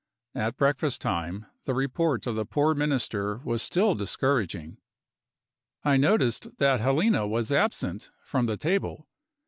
At breakfast time, the report of the poor Minister was still discouraging. I noticed that Helena was absent from the table.